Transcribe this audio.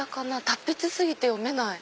達筆過ぎて読めない。